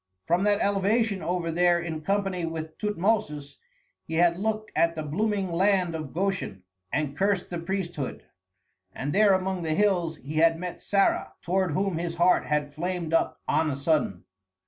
From that elevation over there in company with Tutmosis he had looked at the blooming land of Goshen and cursed the priesthood. And there among the hills he had met Sarah, toward whom his heart had flamed up on a sudden.